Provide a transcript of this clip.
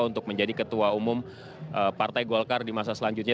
untuk menjadi ketua umum partai golkar di masa selanjutnya